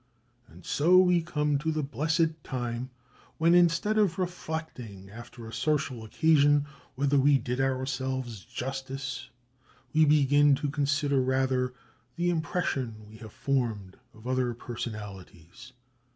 And so we come to the blessed time when, instead of reflecting after a social occasion whether we did ourselves justice, we begin to consider rather the impression we have formed of other personalities.